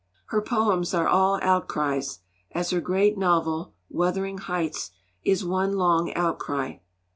Her poems are all outcries, as her great novel, Wuthering Heights, is one long outcry.